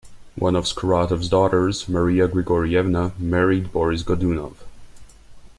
One of Skuratov's daughters, Maria Grigorievna, married Boris Godunov.